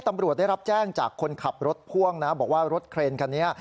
ตำรวจได้รับแจ้งจากคนขับรถพ่วงนะบอกว่ารถเครนคันนี้